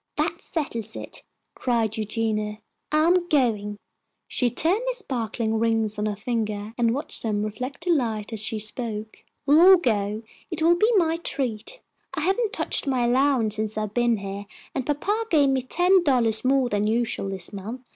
"That settles it!" cried Eugenia, "I am going." She turned the sparkling rings on her finger and watched them reflect the light as she spoke. "We'll all go. It will be my treat. I haven't touched my allowance since I've been here, and papa gave me ten dollars more than usual this month.